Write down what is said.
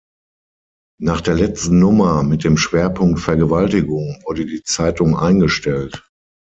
Nach der letzten Nummer mit dem Schwerpunkt "Vergewaltigung" wurde die Zeitung eingestellt.